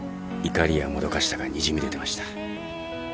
怒りやもどかしさがにじみ出てました